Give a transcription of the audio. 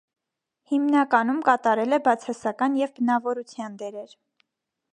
Հիմնականում կատարել է բացասական և բնավորության դերեր։